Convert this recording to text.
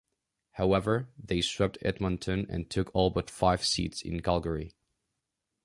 However, they swept Edmonton and took all but five seats in Calgary.